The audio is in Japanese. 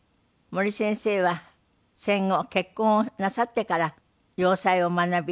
森先生は戦後結婚をなさってから洋裁を学び